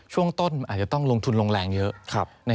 ช่วงต้นอาจจะต้องลงทุนลงแรงเยอะ